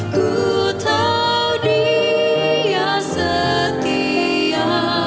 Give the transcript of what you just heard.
ku tahu dia setia